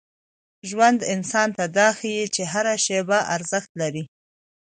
ژوند انسان ته دا ښيي چي هره شېبه ارزښت لري.